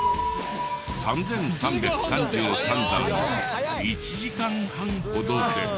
３３３３段を１時間半ほどで。